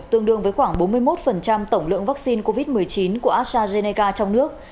tương đương với khoảng bốn mươi một tổng lượng vaccine covid một mươi chín của astrazeneca trong nước